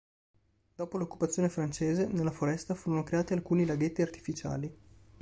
Dopo l'occupazione francese, nella foresta, furono creati alcuni laghetti artificiali.